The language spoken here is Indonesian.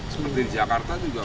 sementara di jakarta juga